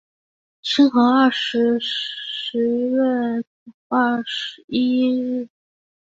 兴和二年十月廿一日葬于邺城西面漳水以北。